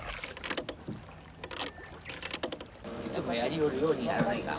いつもやりよるようにやらないかん。